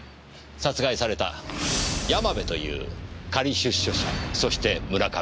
殺害された山部という仮出所者そして村上。